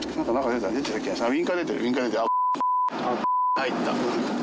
入った。